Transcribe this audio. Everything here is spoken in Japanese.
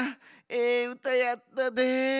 ええうたやったで。